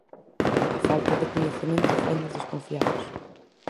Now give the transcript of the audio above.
A falta de coñecemento fainos desconfiados.